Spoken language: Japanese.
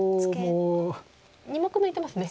２目抜いてますね。